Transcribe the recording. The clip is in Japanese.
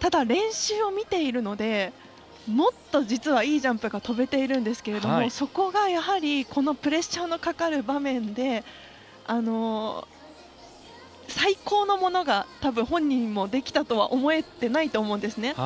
ただ練習を見ているのでもっと実はいいジャンプが跳べているんですけどそこが、やはりこのプレッシャーのかかる場面で最高のものが、たぶん本人もできたとは思えていないと思うんですね。